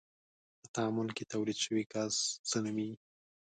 په تعامل کې تولید شوی ګاز څه نومیږي؟